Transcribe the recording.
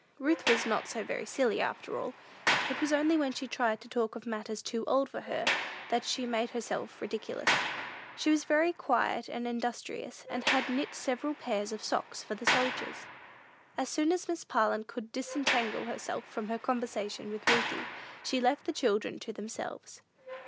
Ruth was not so very silly, after all. It was only when she tried to talk of matters too old for her that she made herself ridiculous. She was very quiet and industrious, and had knit several pairs of socks for the soldiers. As soon as Miss Parlin could disentangle herself from her conversation with Ruthie, she left the children to themselves.